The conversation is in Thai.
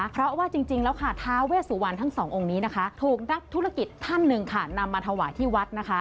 เพราะว่าจริงแล้วค่ะท้าเวสุวรรณทั้งสององค์นี้นะคะถูกนักธุรกิจท่านหนึ่งค่ะนำมาถวายที่วัดนะคะ